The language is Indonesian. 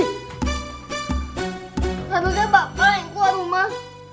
harusnya bapak yang keluar rumah